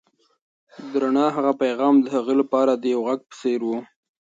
د رڼا هغه پیغام د هغه لپاره د یو غږ په څېر و.